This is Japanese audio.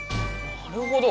なるほど！